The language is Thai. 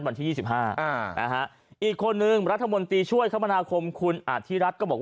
วันที่๒๕อีกคนนึงรัฐมนติช่วยคมนาคมคุณอาทิรัสก็บอก